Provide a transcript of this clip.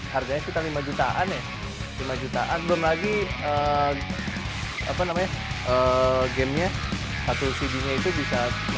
harganya sekitar lima jutaan belum lagi game nya satu cd nya itu bisa enam ratus tujuh ratus ribu